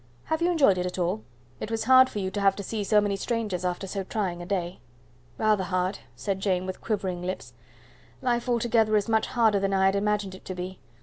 "Have you enjoyed it at all? It was hard for you to have to see so many strangers after so trying a day." "Rather hard," said Jane, with quivering lips. "Life altogether is much harder than I had imagined it to be.